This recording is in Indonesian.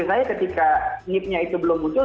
asumsi saya ketika nip nya itu belum muncul